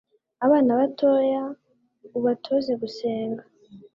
abana batoya, ubatoze gusenga